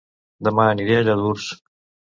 Dema aniré a Lladurs